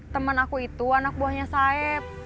temen aku itu anak buahnya saeb